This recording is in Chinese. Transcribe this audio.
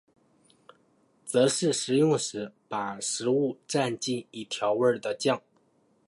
则是食用时把食物蘸进已调味的酱。